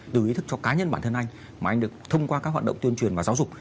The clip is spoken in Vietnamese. từ ý thức cho cá nhân bản thân anh mà anh được thông qua các hoạt động tuyên truyền và giáo dục